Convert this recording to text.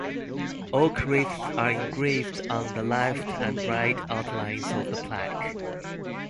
Oak wreaths are engraved on the left and right outlines of the plaque.